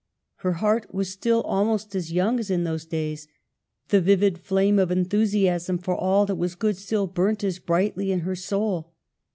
Her heart was still almost as young as in those days ; the vivid flame of enthusiasm for all that was good still burnt as brightly in her soul.